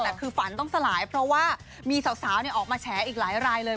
แต่คือฝันต้องสลายเพราะว่ามีสาวออกมาแฉอีกหลายรายเลย